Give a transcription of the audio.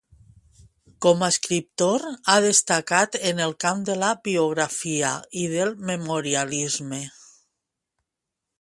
Com a escriptor, ha destacat en el camp de la biografia i del memorialisme.